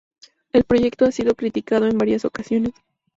El proyecto ha sido criticado en varias ocasiones.